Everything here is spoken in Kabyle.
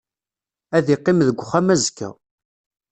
Ad iqqim deg uxxam azekka.